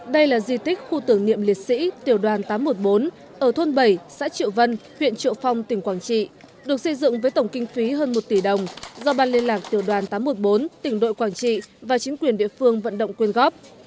đây là di tích khu tưởng niệm liệt sĩ tiểu đoàn tám trăm một mươi bốn ở thôn bảy xã triệu vân huyện triệu phong tỉnh quảng trị được xây dựng với tổng kinh phí hơn một tỷ đồng do ban liên lạc tiểu đoàn tám trăm một mươi bốn tỉnh đội quảng trị và chính quyền địa phương vận động quyên góp